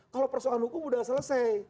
kalau persoalan hukum sudah selesai